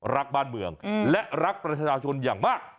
รักบ้านเมืองและรักประชาชนอย่างมาก